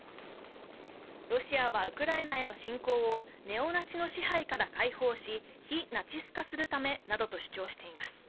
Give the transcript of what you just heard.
ロシアはウクライナへの侵攻をネオナチの支配から解放し、非ナチス化するためなどと主張しています。